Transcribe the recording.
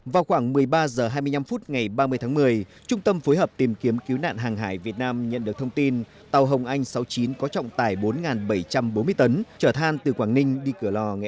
vào khoảng một mươi ba h hai mươi năm phút ngày ba mươi tháng một mươi trung tâm phối hợp tìm kiếm cứu nạn hàng hải việt nam nhận được thông tin tàu hồng anh sáu mươi chín có trọng tải bốn bảy trăm bốn mươi tấn trở than từ quảng ninh đi cửa lò nghệ an